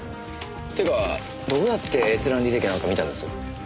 っていうかどうやって閲覧履歴なんか見たんです？